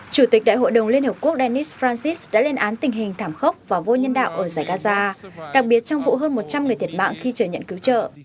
chủ tịch đại hội đồng liên hợp quốc dennis francis đã lên án tình hình thảm khốc và vô nhân đạo ở giải gaza đặc biệt trong vụ hơn một trăm linh người thiệt mạng khi trở nhận cứu trợ